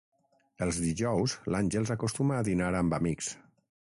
Els dijous l'Àngels acostuma a dinar amb amics.